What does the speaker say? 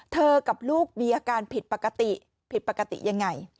กับลูกมีอาการผิดปกติผิดปกติยังไง